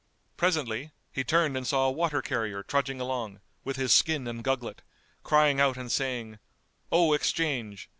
Presently, he turned and saw a water carrier trudging along, with his skin and gugglet, crying out and saying, "O exchange!